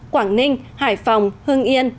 quảng ninh hải phòng hương yên